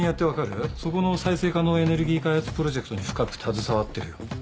そこの再生可能エネルギー開発プロジェクトに深く携わってるよ。